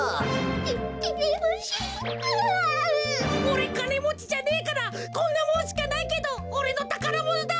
おれかねもちじゃねえからこんなもんしかないけどおれのたからものだ！